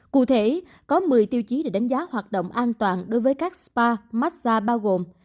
cụ thể có một mươi tiêu chí để đánh giá hoạt động an toàn đối với các spa massage bao gồm